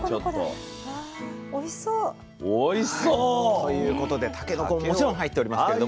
おいしそう！ということでたけのこももちろん入っておりますけれども。